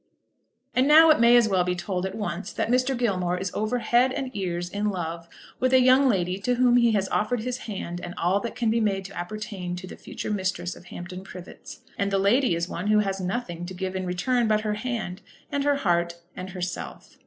And now it may be as well told at once that Mr. Gilmore is over head and ears in love with a young lady to whom he has offered his hand and all that can be made to appertain to the future mistress of Hampton Privets. And the lady is one who has nothing to give in return but her hand, and her heart, and herself.